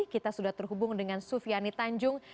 kita sudah terhubung dengan sufiani tanjung